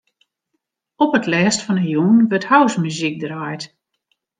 Op it lêst fan 'e jûn wurdt housemuzyk draaid.